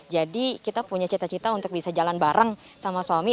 kita punya cita cita untuk bisa jalan bareng sama suami